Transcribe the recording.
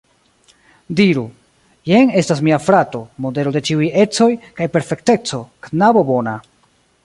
Diru: jen estas mia frato, modelo de ĉiuj ecoj kaj perfekteco, knabo bona.